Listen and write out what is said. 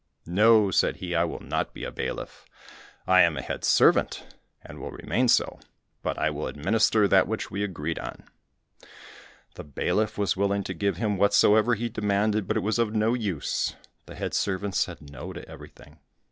"No," said he, "I will not be a bailiff, I am head servant, and will remain so, but I will administer that which we agreed on." The bailiff was willing to give him whatsoever he demanded, but it was of no use, the head servant said no to everything.